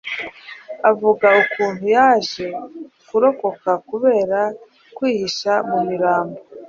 Avuga ukuntu yaje kurokoka kubera kwihisha mu mirambo,